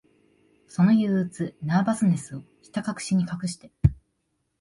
その憂鬱、ナーバスネスを、ひたかくしに隠して、